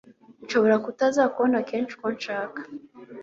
Nshobora kutazakubona kenshi uko nshaka